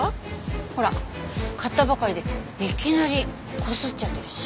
ほら買ったばかりでいきなりこすっちゃってるし。